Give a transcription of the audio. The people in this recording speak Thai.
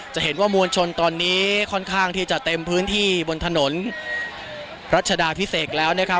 จะเห็นว่ามวลชนตอนนี้ค่อนข้างที่จะเต็มพื้นที่บนถนนรัชดาพิเศษแล้วนะครับ